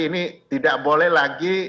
ini tidak boleh lagi